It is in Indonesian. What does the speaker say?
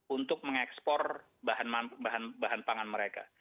untuk mengekspor bahan pangan mereka